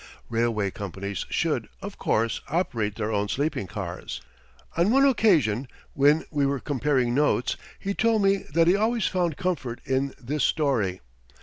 Railway companies should, of course, operate their own sleeping cars. On one occasion when we were comparing notes he told me that he always found comfort in this story.